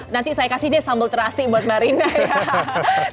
nanti saya kasih deh sambal terasi buat mbak rina ya